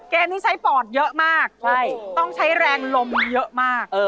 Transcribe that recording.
เกมนี้ใช้ปอดเยอะมากทำให้ร็งลมเยอะมาก